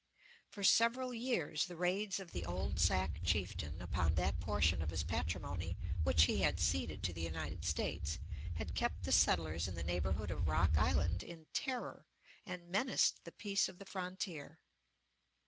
For several years the raids of the old Sac chieftain upon that portion of his patrimony which he had ceded to the United States had kept the settlers in the neighborhood of Rock Island in terror, and menaced the peace of the frontier.